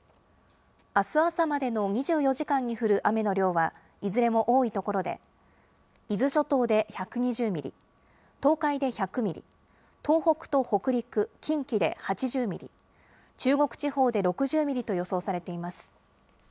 あす朝までの２４時間に降る雨の量はいずれも多い所で、伊豆諸島で１２０ミリ、東海で１００ミリ、東北と北陸、近畿で８０ミリ、中国地方で６０ミリと予想されています。